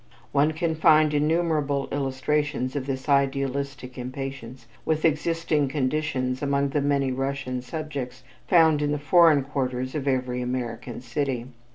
One can find innumerable illustrations of this idealistic impatience with existing conditions among the many Russian subjects found in the foreign quarters of every American city.